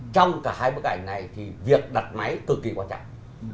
trong cả hai bức ảnh này thì việc đặt máy cực kỳ quan trọng